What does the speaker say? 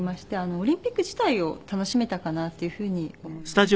オリンピック自体を楽しめたかなっていうふうに思います。